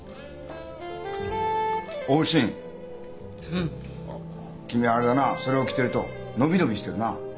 ほう君はあれだなそれを着てると伸び伸びしてるな。